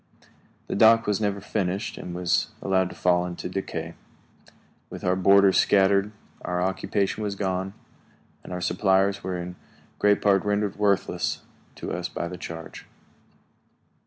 The dock was never finished and was allowed to fall into decay. With our boarders scattered, our occupation was gone, and our supplies were in great part rendered worthless to us by the change.